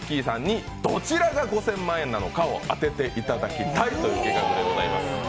さんにどちらが５０００万円なのか当てていただきたいという企画です。